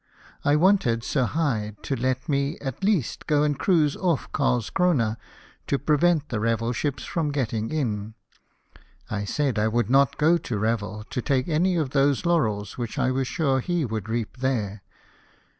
I wanted Sir Hyde to let me, at least, go and cruise off Carlscrona, to prevent the Revel ships from getting in. I said I would not go to Revel, to take any of those laurels which I was sure he would reap there.